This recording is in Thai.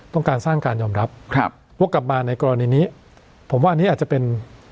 ต้องการสร้างการยอมรับครับว่ากลับมาในกรณีนี้ผมว่าอันนี้อาจจะเป็น